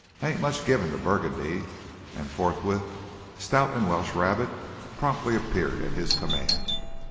I ain't much given to Burgundy," and forthwith stout and Welsh rarebit promptly appeared at his command.